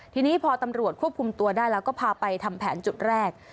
ทีนี้พอตำรวจควบคุมตัวได้แล้วก็พาไปทำแผนจุดแรก